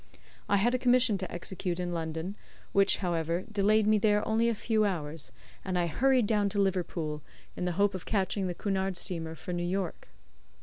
I had a commission to execute in London, which, however, delayed me there only a few hours, and I hurried down to Liverpool, in the hope of catching the Cunard Steamer for New York.